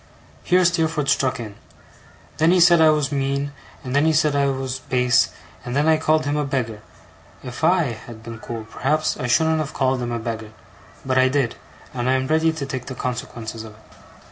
Here Steerforth struck in. 'Then he said I was mean, and then he said I was base, and then I called him a beggar. If I had been cool, perhaps I shouldn't have called him a beggar. But I did, and I am ready to take the consequences of it.